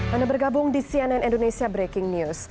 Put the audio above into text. anda bergabung di cnn indonesia breaking news